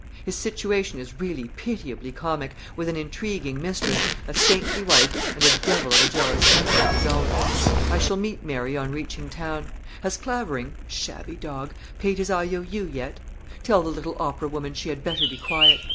His situation is really pitiably comic with an intriguing mistress, a saintly wife, and a devil of a jealous temper of his own. I shall meet Mary on reaching town. Has Clavering (shabby dog!) paid his I.O.U. yet? Tell the little opera woman she had better be quiet.